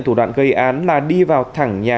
thủ đoạn gây án là đi vào thẳng nhà